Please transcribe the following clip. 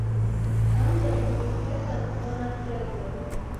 Ынте уло-укесым онатӧллӧ.